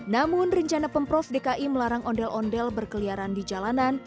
namun rencana pemprov dki melarang ondel ondel berkeliaran di jalanan